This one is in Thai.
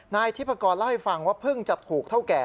นายทิพกรเล่าให้ฟังว่าเพิ่งจะถูกเท่าแก่